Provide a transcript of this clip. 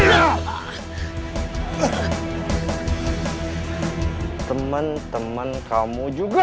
cuma temen temen kamu juga